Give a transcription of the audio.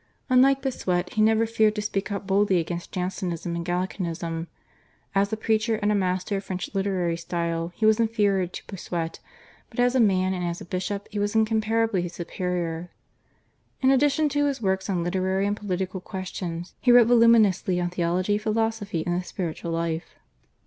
Unlike Bossuet he never feared to speak out boldly against Jansenism and Gallicanism. As a preacher and a master of French literary style he was inferior to Bossuet, but as a man and as a bishop he was incomparably his superior. In addition to his works on literary and political questions he wrote voluminously on theology, philosophy, and the spiritual life.